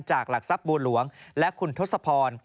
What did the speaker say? หลักทรัพย์บัวหลวงและคุณทศพร